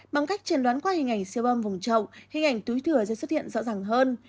bằng cách trần đoán qua hình ảnh siêu bom vùng trậu hình ảnh túi thừa sẽ xuất hiện rõ ràng hơn